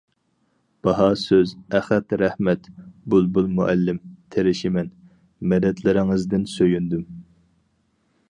باھا سۆز ئەخەت رەھمەت، بۇلبۇل مۇئەللىم، تېرىشىمەن، مەدەتلىرىڭىزدىن سۆيۈندۈم!